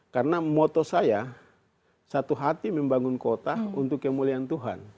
karena moto saya satu hati membangun kota untuk kemuliaan tuhan